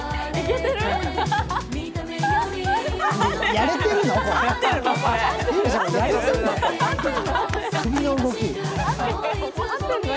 やれてるの？